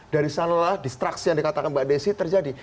dari sanalah distraksi yang dikatakan mbak desi terjadi